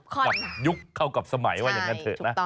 จะบกอกยุคเข้ากลับสมัยอย่างนั้น